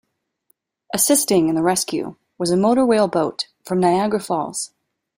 Assisting in the rescue was a motor-whale boat from Niagara Falls.